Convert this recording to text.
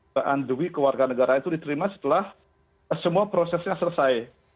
bandui kewarganegaraan itu diterima setelah semua prosesnya selesai